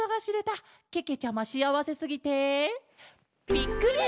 ぴっくり！